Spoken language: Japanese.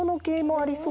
ありそう。